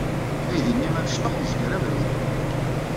Aydi-nni amecṭuḥ yezger abrid.